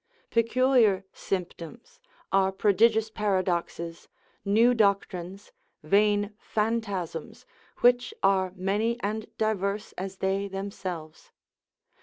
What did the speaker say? Peculiar symptoms are prodigious paradoxes, new doctrines, vain phantasms, which are many and diverse as they themselves.